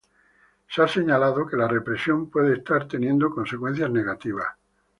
Se ha señalado que la represión puede estar teniendo consecuencias negativas.